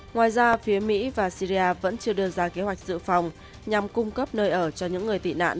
ngoài ra phía mỹ và syria vẫn chưa đưa ra kế hoạch dự phòng nhằm cung cấp nơi ở cho những người tị nạn